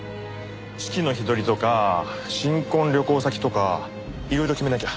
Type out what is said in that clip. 式の日取りとか新婚旅行先とかいろいろ決めなきゃ。